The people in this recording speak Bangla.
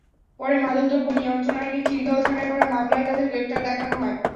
পরে মাদকদ্রব্য নিয়ন্ত্রণ আইনে খিলগাঁও থানায় করা মামলায় তাঁদের গ্রেপ্তার দেখানো হয়।